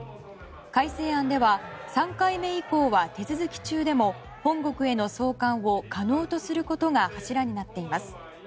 改正案では３回目以降は手続き中でも本国への送還を可能とすることが柱となっています。